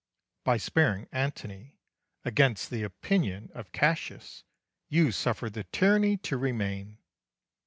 By sparing Antony, against the opinion of Cassius, you suffered the tyranny to remain.